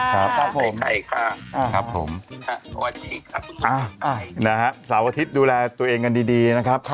ใครค่ะครับผมสาวอาทิตย์ครับนะครับสาวอาทิตย์ดูแลตัวเองกันดีนะครับ